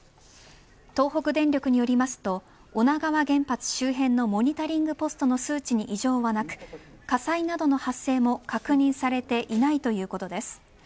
東北電力によると女川原発周辺のモニタリングポストの数値に異常はなく、火災などの発生も確認されていないということです。